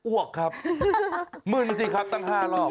วกครับมึนสิครับตั้ง๕รอบ